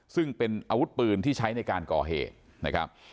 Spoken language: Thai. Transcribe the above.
ซึ่งเป็นอาวุธปืนที่ใช้ในการก่อเหตุนะครับ